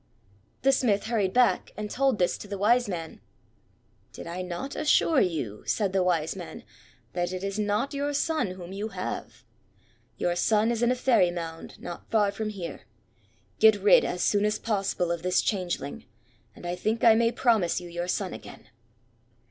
The smith hurried back, and told this to the Wise man. "Did I not assure you," said the Wise man, "that it is not your son whom you have? Your son is in a Fairy Mound not far from here. Get rid as soon as possible of this Changeling, and I think I may promise you your son again.